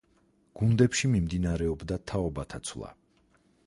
გუნდებში მიმდინარეობდა თაობათა ცვლა.